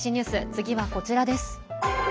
次はこちらです。